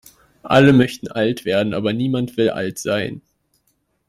Alle möchten alt werden, aber niemand will alt sein.